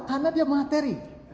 karena dia berubah